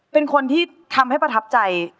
เป็นคนที่ทำให้ประทับใจ